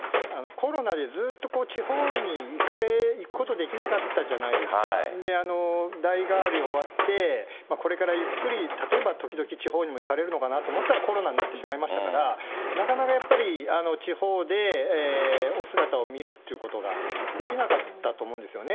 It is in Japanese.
コロナでずっと地方に行くことできなかったじゃないですか、代替わり終わって、これからゆっくり、例えば時々、地方にも行かれるのかなと思ったら、コロナになってしまいましたから、なかなかやっぱり地方でお姿を見るってことができなかったと思うんですよね。